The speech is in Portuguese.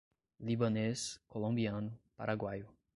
Libanês, Colombiano, Paraguaio